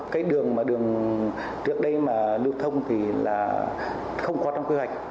cái đường mà đường trước đây mà lưu thông thì là không có trong quy hoạch